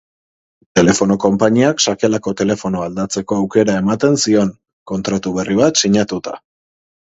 Telefono konpainiak sakelako telefonoa aldatzeko aukera ematen zion, kontratu berri bat sinatuta.